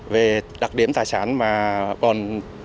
về đặc điểm tài sản mà còn